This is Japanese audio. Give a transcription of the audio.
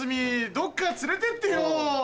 どっか連れてってよ。